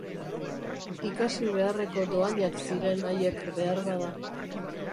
Ikasi beharreko dohainak ziren haiek beharbada.